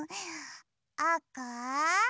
あか？